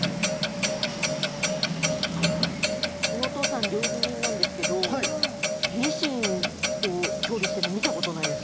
うちのお父さん料理人なんですけど、にしんを調理しているのは見たことないです。